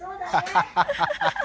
ハハハハ。